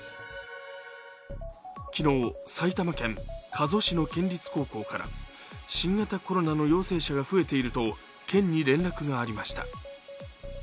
昨日、埼玉県加須市の県立高校から新型コロナの陽性者が増えていると県に連絡がありました。